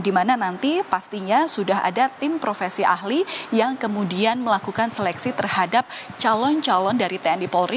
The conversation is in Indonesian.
di mana nanti pastinya sudah ada tim profesi ahli yang kemudian melakukan seleksi terhadap calon calon dari tni polri